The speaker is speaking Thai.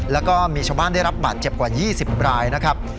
แล้วก็มีชาวบ้านได้รับบาดเจ็บกว่า๒๐รายนะครับ